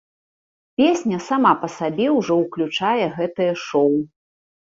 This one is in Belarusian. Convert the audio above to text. Песня сама па сабе ўжо ўключае гэтае шоў.